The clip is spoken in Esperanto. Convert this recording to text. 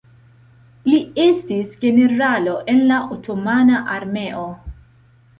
Li estis generalo en la Otomana Armeo.